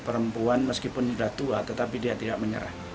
perempuan meskipun sudah tua tetapi dia tidak menyerah